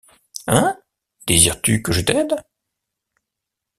Hein? désires-tu que je t’aide ?